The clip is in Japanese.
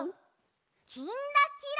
「きんらきら」。